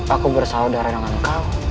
aku bersaudara dengan kau